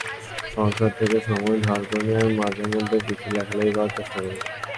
সংসার থেকে সময় ধার করে নিয়ে আমি মাঝেমধ্যে কিছু লেখালেখি করার চেষ্টা করি।